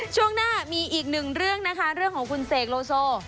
ช่วงหน้ามีอีกหนึ่งเรื่องนะคะเรื่องของคุณเสกโลโซ